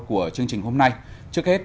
của chương trình hôm nay trước hết